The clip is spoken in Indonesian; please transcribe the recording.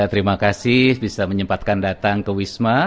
terima kasih bisa menyempatkan datang ke wisma